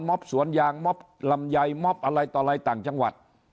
สวนยางมอบลำไยมอบอะไรต่ออะไรต่างจังหวัด